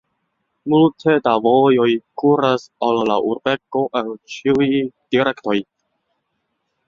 Multe da vojoj kuras al la urbego el ĉiuj direktoj.